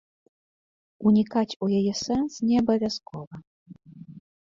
Унікаць у яе сэнс не абавязкова.